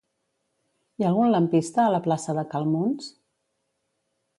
Hi ha algun lampista a la plaça de Cal Muns?